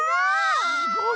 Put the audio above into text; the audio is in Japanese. すごい！